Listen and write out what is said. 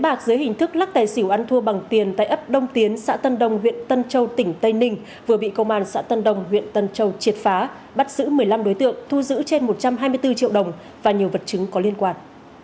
bạc dưới hình thức lắc tài xỉu ăn thua bằng tiền tại ấp đông tiến xã tân đông huyện tân châu tỉnh tây ninh vừa bị công an xã tân đồng huyện tân châu triệt phá bắt giữ một mươi năm đối tượng thu giữ trên một trăm hai mươi bốn triệu đồng và nhiều vật chứng có liên quan